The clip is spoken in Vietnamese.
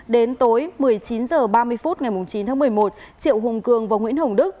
đến tối một mươi chín h ba mươi phút ngày chín tháng một mươi một triệu hùng cường và nguyễn hồng đức